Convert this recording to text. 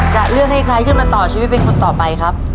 จะเลือกให้ใครขึ้นมาต่อชีวิตเป็นคนต่อไปครับ